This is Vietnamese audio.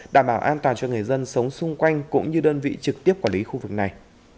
đảm bảo an toàn cho người dân sống xung quanh cũng như đơn vị trực tiếp quản lý khu vực này